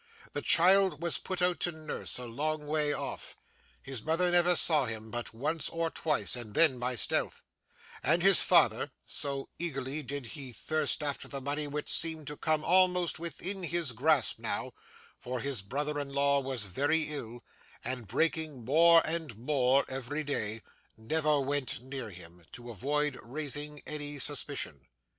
The child was put out to nurse, a long way off; his mother never saw him but once or twice, and then by stealth; and his father so eagerly did he thirst after the money which seemed to come almost within his grasp now, for his brother in law was very ill, and breaking more and more every day never went near him, to avoid raising any suspicion.